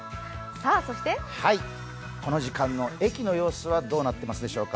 この時間の駅の様子はどうなっているでしょうか。